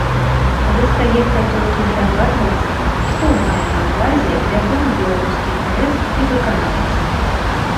Застаецца толькі здагадвацца, што мае на ўвазе вядомы беларускі паэт і выканаўца.